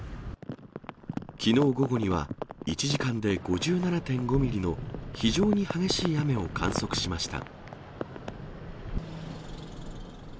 きのう午後には、１時間で５７．５ミリの非常に激しい雨を観測しました。